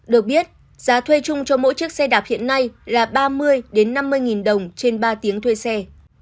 được biết giá thuê chung cho mỗi chiếc xe đạp hiện nay là ba mươi năm mươi nghìn đồng trên ba tiếng thuê xe